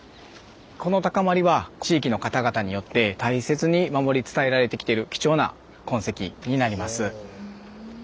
この高まりは地域の方々によって大切に守り伝えられてきてる貴重な痕跡になります。